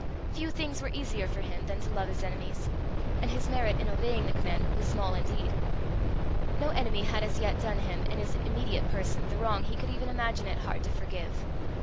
Few things were easier to him than to love his enemies, and his merit in obeying the commandment was small indeed. No enemy had as yet done him, in his immediate person, the wrong he could even imagine it hard to forgive.